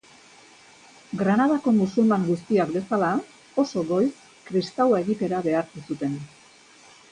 Granadako musulman guztiak bezala, oso goiz, kristaua egitera behartu zuten.